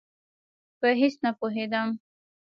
په هېڅ نه پوهېدم.